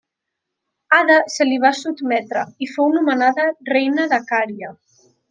Ada se li va sotmetre i fou nomenada reina de Cària.